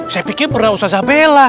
saya pikir pernah ustadz zabel lah